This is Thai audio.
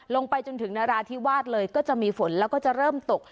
ลงไปจนถึงนราธิวาสเลยก็จะมีฝนแล้วก็จะเริ่มตก